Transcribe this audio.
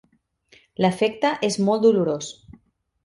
L'efecte és molt dolorós.